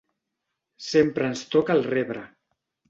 Sempre ens toca el rebre.